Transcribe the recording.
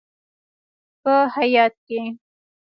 په هیات کې: